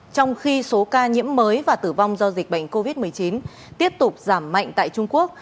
trong khi số ca nhiễm mới và tử vong do dịch bệnh covid một mươi chín tiếp tục giảm mạnh tại trung quốc